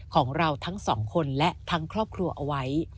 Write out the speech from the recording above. ของเราทั้งสองคนและทั้งครอบครัวเอาไว้